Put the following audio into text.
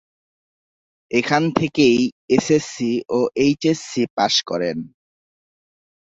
এখান থেকেই এসএসসি ও এইচএসসি পাস করেন।